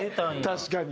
確かに。